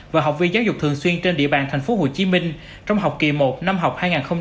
và học viên giáo dục thường xuyên trên địa bàn tp hcm trong học kỳ một năm học hai nghìn hai mươi hai nghìn hai mươi